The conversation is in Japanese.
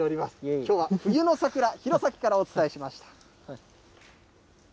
きょうは冬の桜、弘前からお伝えしました。